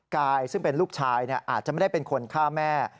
กายซึ่งเป็นลูกชายอาจจะไม่ได้เป็นคนฆ่าแม่